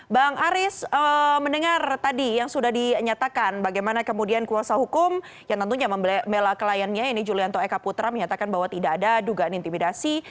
bang aris mendengar tadi yang sudah dinyatakan bagaimana kemudian kuasa hukum yang tentunya membela kliennya ini julianto eka putra menyatakan bahwa tidak ada dugaan intimidasi